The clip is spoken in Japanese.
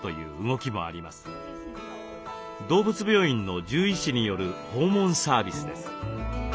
動物病院の獣医師による訪問サービスです。